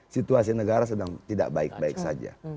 situasi negara sedang tidak baik baik saja